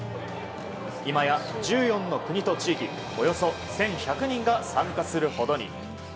今や１４の国と地域およそ１１００人が参加するほどに。